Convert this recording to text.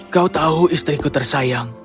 kau tahu istriku tersayang